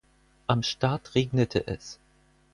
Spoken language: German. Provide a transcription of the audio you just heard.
Am Start regnete es.